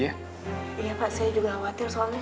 iya pak saya juga khawatir soalnya